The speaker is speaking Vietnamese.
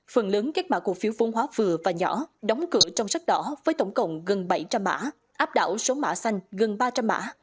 phần lớn các mã cổ phiếu vun hóa vừa và nhỏ đóng cửa trong sắc đỏ với tổng cộng gần bảy trăm linh mã áp đảo số mã xanh gần ba trăm linh mã